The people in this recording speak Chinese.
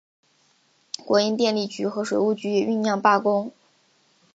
国营电力局和水务局也酝酿罢工。